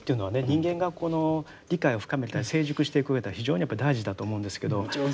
人間がこの理解を深めたり成熟していくうえでは非常にやっぱり大事だと思うんですけど。